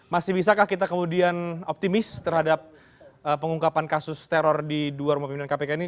masih bisakah kita kemudian optimis terhadap pengungkapan kasus teror di dua rumah pimpinan kpk ini